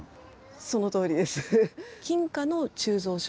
そのとおりです。